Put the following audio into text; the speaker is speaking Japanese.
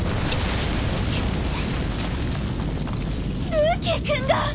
ルーキー君が！